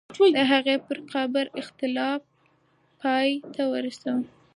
د هغې پر قبر اختلاف پای ته ورسوه.